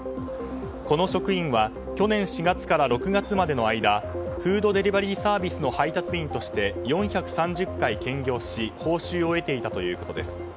この職員は去年４月から６月までの間フードデリバリーサービスの配達員として４３０回兼業し報酬を得ていたということです。